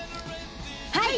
はい！